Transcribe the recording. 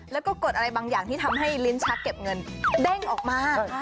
แล้วก็กดอะไรบางอย่างที่ทำให้ลิ้นชักเก็บเงินเด้งออกมา